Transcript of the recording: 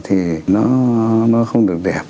thì nó không được đẹp